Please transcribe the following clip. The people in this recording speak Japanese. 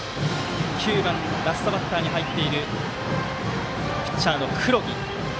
９番ラストバッターに入っているピッチャーの黒木。